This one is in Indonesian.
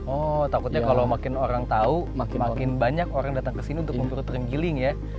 oh takutnya kalau makin orang tahu makin banyak orang datang ke sini untuk memburu ternggiling ya